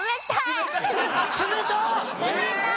冷たい！